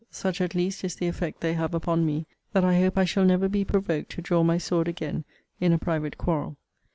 Such, at least, is the effect they have upon me, that I hope I shall never be provoked to draw my sword again in a private quarrel.